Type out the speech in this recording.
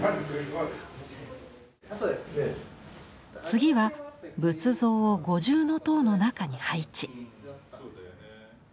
次は仏像を五重塔の中に配置。